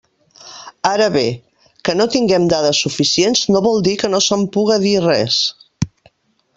Ara bé, que no tinguem dades suficients no vol dir que no se'n puga dir res.